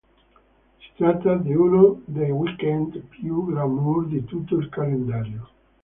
Si tratta di uno dei weekend più glamour di tutto il calendario.